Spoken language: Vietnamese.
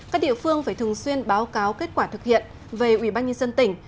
các địa phương phải thường xuyên báo cáo kết quả thực hiện về ubnd tỉnh